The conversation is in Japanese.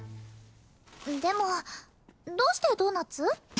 でもどうしてドーナツ？